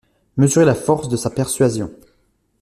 Mesurez la force de sa persuasion.